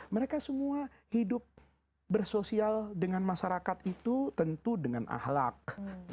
mereka semua hidup bersosial dengan masyarakat itu tentu dengan ahlak